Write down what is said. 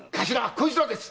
こいつらです！